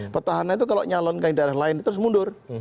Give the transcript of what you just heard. petahana itu kalau nyalon ke daerah lain terus mundur